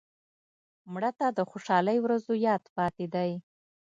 مړه ته د خوشحالۍ ورځو یاد پاتې دی